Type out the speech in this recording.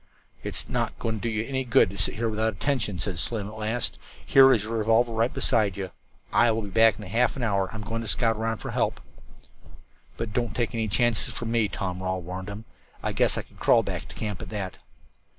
"It's not doing you any good to sit here without attention," said Slim at last. "Here is your revolver right alongside you. I will be back within half an hour. I am going to scout around for help." "But don't take any chances for me," Tom Rawle warned him. "I guess I could crawl back to camp, at that."